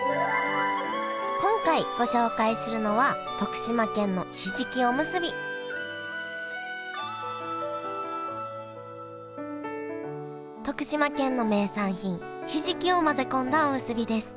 今回ご紹介するのは徳島県の名産品ひじきを混ぜ込んだおむすびです。